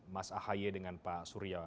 mas ahaye dengan pak surya